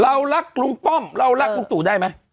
เรารักลุงป้อมเรารักลุงตู่ได้ไหม